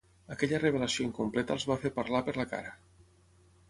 Aquella revelació incompleta els va fer parlar per la cara.